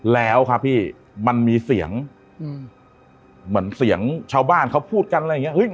แล้วครับพี่มันมีเสียงเหมือนเสียงชาวบ้านเขาพูดกันอะไรอย่างเงี้ย